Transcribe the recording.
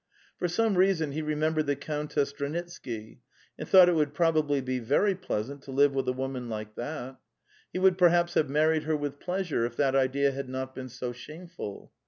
For some rea son he remembered the Countess Dranitsky, and thought it would probably be very pleasant to live with a woman like that; he would perhaps have mar ried her with pleasure if that idea had not been so shameful.